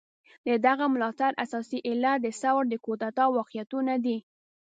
د دغه ملاتړ اساسي علت د ثور د کودتا واقعيتونه دي.